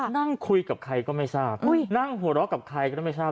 นั่งคุยกับใครก็ไม่ทราบนั่งหัวเราะกับใครก็ไม่ทราบ